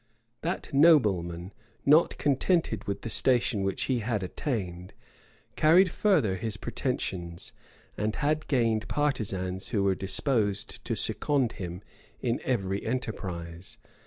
That nobleman, not contented with the station which he had attained, carried further his pretensions, and had gained partisans who were disposed to second him in every enterprise.